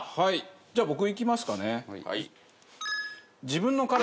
じゃあ僕いきますかね。